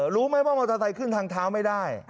รู้ไหมว่ามอเตอร์ไซค์ขึ้นทางเท้าไม่ได้